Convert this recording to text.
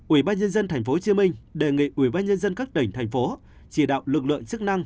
ubnd tp hcm đề nghị ubnd các tỉnh thành phố chỉ đạo lực lượng chức năng